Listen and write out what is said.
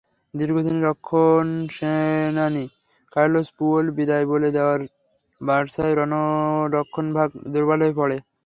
দীর্ঘদিনের রক্ষণসেনানী Carlos Puyol বিদায় বলে দেওয়ায় বার্সার রক্ষণভাগ দুর্বল হয়ে পড়ে।